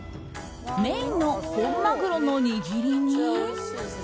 メインの本マグロの握りに。